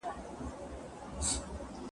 د بيلګي په توګه دغه آيت شريف کفايت کوي.